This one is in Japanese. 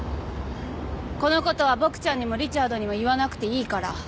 このことはボクちゃんにもリチャードにも言わなくていいから。